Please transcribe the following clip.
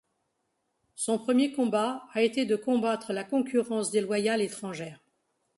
Son premier combat a été de combattre la concurrence déloyale étrangère.